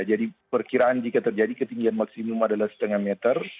jadi perkiraan jika terjadi ketinggian maksimum adalah setengah meter